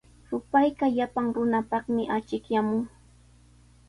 Rupayqa llapan runapaqmi achikyaamun.